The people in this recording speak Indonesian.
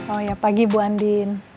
oh ya pagi bu andin